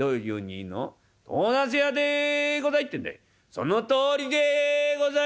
「そのとおりでござい！」。